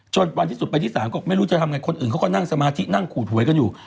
จนวันที่สุดไปที่๓บันดีไม่รู้จะทำไงคนอื่นเขาก็นั่งสมาธิขู่ถวยกันอยู่